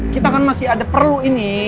kita kan masih ada perlu ini